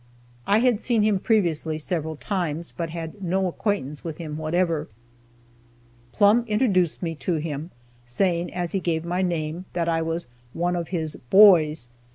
I had seen him previously several times, but had no acquaintance with him whatever. Plumb introduced me to him, saying, as he gave my name, that I was one of his "boys."